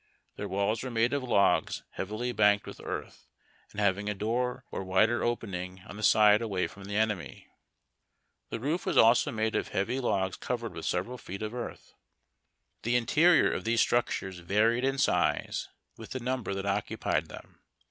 Their walls were made of logs heavily banked with earth and liaving a door or wider opening on the side away from the enemy. The roof was also made of heavy logs covered with several feet of earth. The interior of these structures varied in size with the number that occupied them.